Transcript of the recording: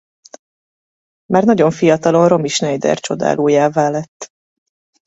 Már nagyon fiatalon Romy Schneider csodálójává lett.